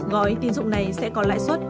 gói tín dụng này sẽ có lãi xuất